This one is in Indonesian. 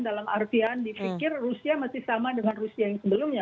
dalam artian dipikir rusia masih sama dengan rusia yang sebelumnya